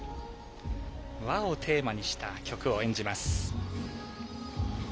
和をテーマにした曲を演じます。